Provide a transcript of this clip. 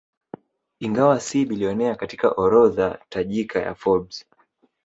Ingawa si bilionea katika orodha tajika ya Forbes